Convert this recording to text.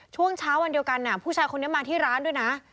ช่วงเช้าวันเดียวกันผู้ชายคนนี้มาที่ร้านด้วยนะ